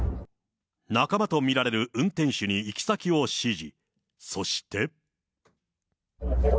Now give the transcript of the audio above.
仲間と見られる運転手に行き先を指示。